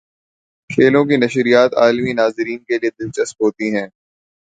کھیلوں کی نشریات عالمی ناظرین کے لیے دلچسپ ہوتی ہیں۔